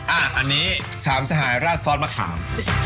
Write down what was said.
อ่าอันนี้สามสหายราดซอสมะขาม